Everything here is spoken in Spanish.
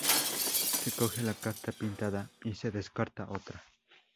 Se coge la carta pintada y se descarta otra.